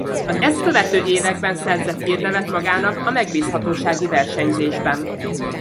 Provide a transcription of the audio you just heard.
Az ezt követő években szerzett hírnevet magának a megbízhatósági versenyzésben.